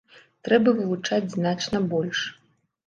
Трэба вылучаць значна больш.